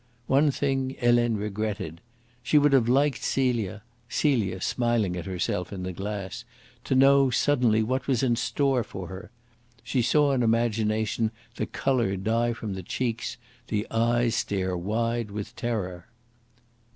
One thing Helene regretted. She would have liked Celia Celia, smiling at herself in the glass to know suddenly what was in store for her! She saw in imagination the colour die from the cheeks, the eyes stare wide with terror.